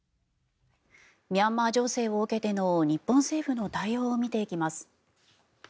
ミャンマー情勢を受けての日本政府の対応を見ていきます。